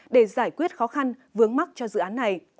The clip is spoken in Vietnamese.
để giải quyết khó khăn vướng mắc cho dự án này